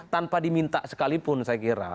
tanpa diminta sekalipun saya kira